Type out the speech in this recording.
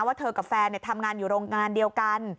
ว่าเธอกับแฟนทำงานอยู่โรงงานเดียวกัน